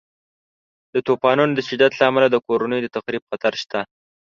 د طوفانونو د شدت له امله د کورنیو د تخریب خطر شته.